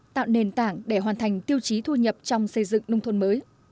tạo nền tảng để hoàn thành tiêu chí thu nhập trong xây dựng nông thôn mới